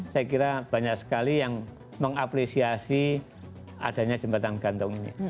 saya kira banyak sekali yang mengapresiasi adanya jembatan gantung ini